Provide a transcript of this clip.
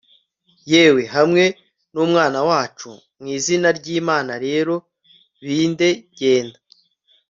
yawe hamwe n'umwana wacu. mu izina ry'imana rero, bindeh genda